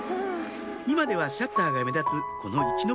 今ではシャッターが目立つこの一ノ